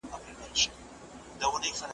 لاله زار به ګلستان وي ته به یې او زه به نه یم `